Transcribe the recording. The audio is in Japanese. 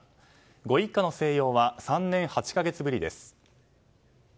ご一家の静養は３年８か月ぶりです。